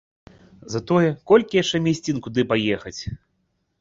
Затое колькі яшчэ мясцін, куды паехаць!